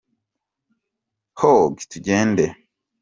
Hogi tugende.